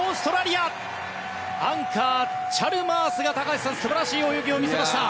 アンカー、チャルマースが素晴らしい泳ぎを見せました。